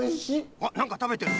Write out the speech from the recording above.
あっなんかたべてる。